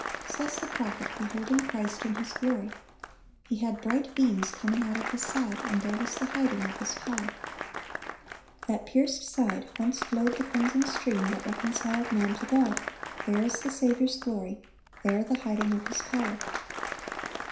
Says the prophet, beholding Christ in His glory, "He had bright beams coming out of His side: and there was the hiding of His power."(1174) That pierced side whence flowed the crimson stream that reconciled man to God,—there is the Saviour's glory, there "the hiding of His power."